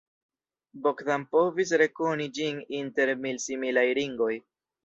Bogdan povis rekoni ĝin inter mil similaj ringoj.